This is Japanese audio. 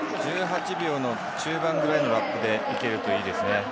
１８秒の中盤ぐらいのラップでいけるといいですね。